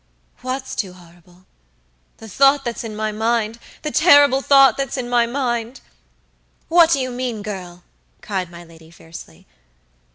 "What's too horrible?" "The thought that's in my mind; the terrible thought that's in my mind." "What do you mean, girl?" cried my lady, fiercely.